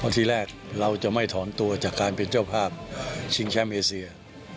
ทีแรกเราจะไม่ถอนตัวจากการเป็นเจ้าภาพชิงแชมป์เอเซีย